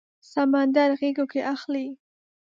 سمندر غیږو کې اخلي